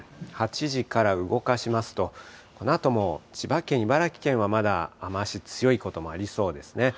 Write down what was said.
８時から動かしますと、このあとも千葉県、茨城県はまだ雨足、強いこともありそうですね。